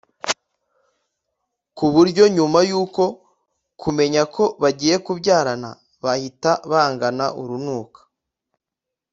ku buryo nyuma yo kumenya ko bagiye kubyarana bahita bangana urunuka